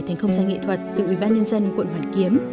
thành không gian nghệ thuật từ ủy ban nhân dân quận hoàn kiếm